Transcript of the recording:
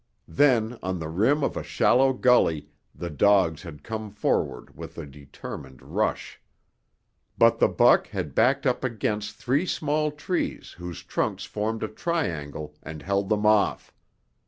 Then, on the rim of a shallow gully, the dogs had come forward with a determined rush. But the buck had backed up against three small trees whose trunks formed a triangle and held them off.